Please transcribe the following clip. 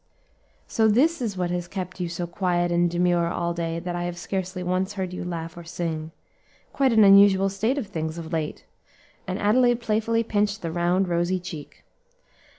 "So this is what has kept you so quiet and demure all day that I have scarcely once heard you laugh or sing; quite an unusual state of things of late," and Adelaide playfully pinched the round, rosy cheek.